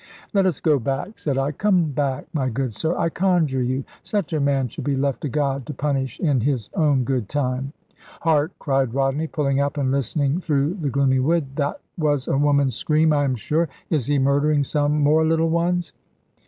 "Let us go back," said I; "come back, my good sir, I conjure you. Such a man should be left to God, to punish in His own good time." "Hark!" cried Rodney, pulling up, and listening through the gloomy wood; "that was a woman's scream, I am sure. Is he murdering some more little ones?"